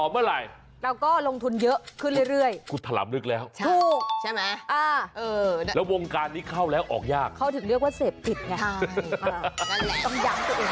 ผมก็หวังว่างว่องวดนี้จะถูกอีกถูกมั้ย